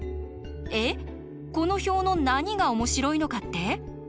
えっこの表の何が面白いのかって？